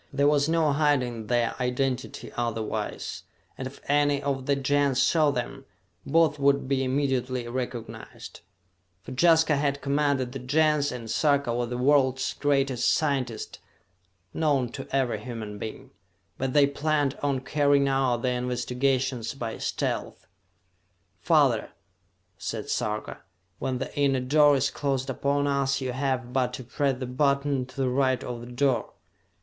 There was no hiding their identity otherwise, and if any of the Gens saw them, both would be immediately recognized for Jaska had commanded the Gens, and Sarka was the world's greatest scientist known to every human being. But they planned on carrying out their investigations by stealth. "Father," said Sarka, "when the inner door is closed upon us, you have but to press the button to the right of the door.